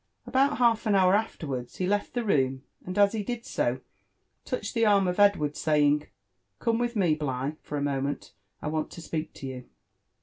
About half an hour afterwards he left the room, and a» he 4id sa, tottohed the arm of Edward, saying, '* Come with me, filigh, lor a naom^c^t — I want to speak to you."